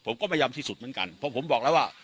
ผมก็พยายามที่สุดเหมือนกันเพราะผมบอกแล้วว่า